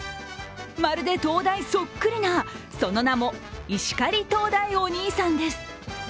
まるで灯台そっくりなその名も、石狩灯台お兄さんです。